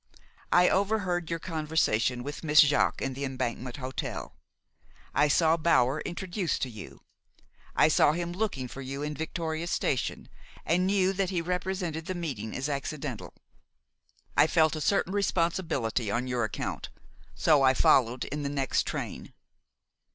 I overheard your conversation with Miss Jaques in the Embankment Hotel; I saw Bower introduced to you; I saw him looking for you in Victoria Station, and knew that he represented the meeting as accidental. I felt a certain responsibility on your account; so I followed by the next train.